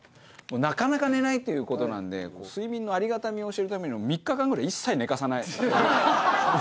なかなか寝ないということなんで睡眠のありがたみを教えるためにも「３日間くらい一切ねかさない」。